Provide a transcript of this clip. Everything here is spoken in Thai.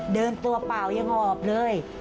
เดินทั่วเปล่ายังงอบเลย